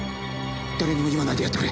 誰にも言わないでやってくれ。